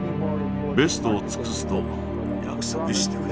ベストを尽くすと約束してくれ。